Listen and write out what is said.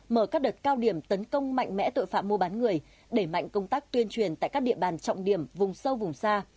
mở các đợt cao điểm tấn công mạnh mẽ tội phạm mua bán người đẩy mạnh công tác tuyên truyền tại các địa bàn trọng điểm vùng sâu vùng xa